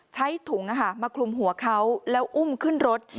ใช้ถุงมาคลุมหัวเขาแล้วอุ้มขึ้นรถ